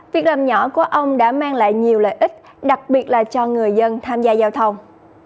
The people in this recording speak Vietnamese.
việc làm nhỏ của ông đã mang lại nhiều lợi ích đặc biệt là cho người dân tham gia giao thông